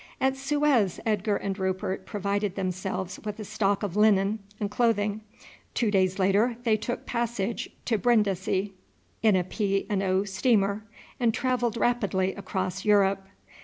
At Suez Edgar and Rupert provided themselves with a stock of linen and clothing; two days later they took passage to Brindisi in a P. and O. steamer, and travelled rapidly across Europe.